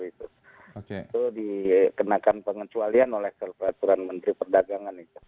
itu dikenakan pengecualian oleh peraturan menteri perdagangan itu